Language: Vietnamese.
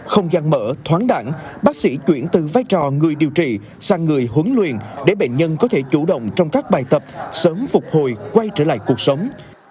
không gian mở thoáng đẳng bác sĩ chuyển từ vai trò người điều trị sang người huấn luyện để bệnh nhân có thể chủ động trong các bài tập sớm phục hồi quay trở lại cuộc sống